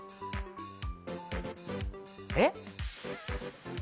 えっ？